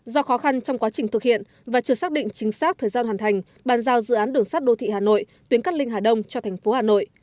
do khó khăn trong quá trình thực hiện và chưa xác định chính xác thời gian hoàn thành bàn giao dự án đường sắt đô thị hà nội tuyến cắt linh hà đông cho thành phố hà nội